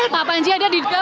pak panji ada yang mau diduga